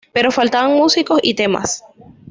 Pero faltaban músicos y temas.